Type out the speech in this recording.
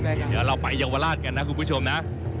เดี๋ยวเราไปเยาวราชกันนะคุณผู้ชมนะ